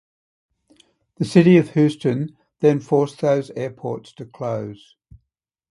The City of Houston then forced those airports to close.